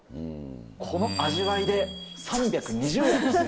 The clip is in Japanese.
この味わいで３２０円です。